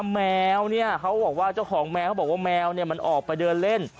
แมวเนี่ยเขาบอกว่าเจ้าของแมวเขาบอกว่าแมวมันออกไปเดินเล่น